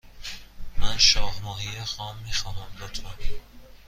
من شاه ماهی خام می خواهم، لطفا.